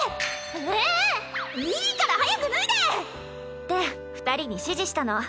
ええ⁉いいから早く脱いで！って２人に指示したの。